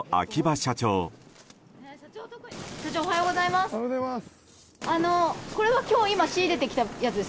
社長、おはようございます。